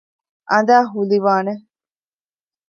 އަނދައި ހުލިވާނެ